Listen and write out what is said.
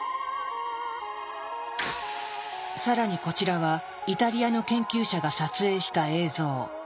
更にこちらはイタリアの研究者が撮影した映像。